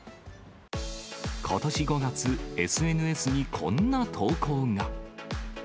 ことし５月、ＳＮＳにこんな投稿が。